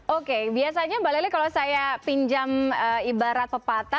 oke biasanya mbak lely kalau saya pinjam ibarat pepatah